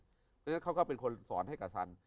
เพราะฉะนั้นเขาก็เป็นคนสอนให้กับสัน